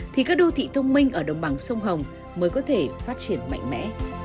thì các đô thị thông minh ở đồng bằng sông hồng mới có thể phát triển mạnh mẽ